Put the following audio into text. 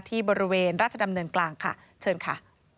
ที่บริเวณราชดำเนินกลางค่ะเชิญค่ะ